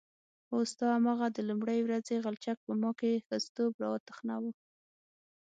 هو ستا هماغه د لومړۍ ورځې غلچک په ما کې ښځتوب راوتخناوه.